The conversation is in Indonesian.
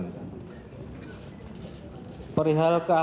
perihal kesehatan kesehatan kesehatan